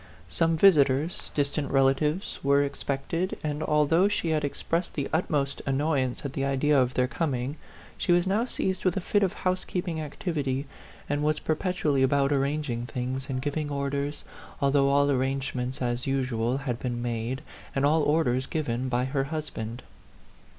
Some visitors distant relatives were ex pected, and although she had expressed the utmost annoyance at the idea of their com ing, she was now seized with a fit of house keeping activity, and was perpetually about arranging things and giving orders, although all arrangements, as usual, had been made, and all orders given, by her husband.